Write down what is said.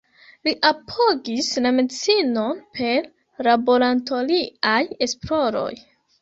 Li apogis la medicinon per laboratoriaj esploroj.